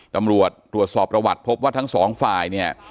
ตำรวจตรวจสอบประวัติพบว่าทั้งสองฝ่ายเนี่ย